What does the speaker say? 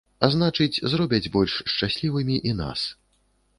А значыць, зробяць больш шчаслівымі і нас.